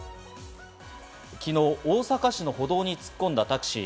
昨日、大阪市の歩道に突っ込んだタクシー。